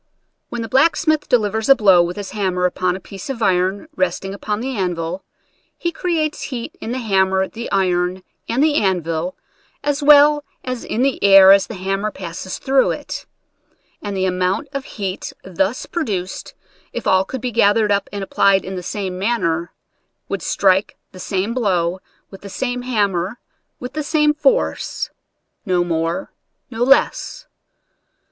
When the blacksmith delivers a blow with his hammer upon a piece of iron resting upon the anvil, he creates heat in the hammer, the iron, and the anvil, as well as in the air as the hammer passes through it; and the amount of heat thus produced, if all could be gathered up and applied in the same man ner, would strike the same blow, with the same hammer, with the same force — no more, no less.